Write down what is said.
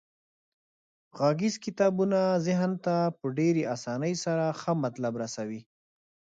غږیز کتابونه ذهن ته په ډیرې اسانۍ سره ښه مطلب رسوي.